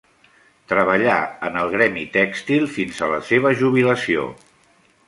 Treballà en el gremi tèxtil fins a la seva jubilació.